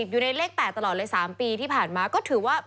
อยู่ในเลข๘ตลอดเลย๓ปีที่ผ่านมาก็ถือว่า